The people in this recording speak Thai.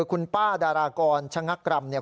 คุณป้าดารากรชะงักกรำเนี่ย